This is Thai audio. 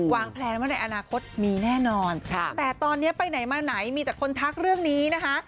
แพลนว่าในอนาคตมีแน่นอนแต่ตอนนี้ไปไหนมาไหนมีแต่คนทักเรื่องนี้นะคะ